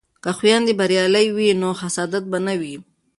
که خویندې بریالۍ وي نو حسادت به نه وي.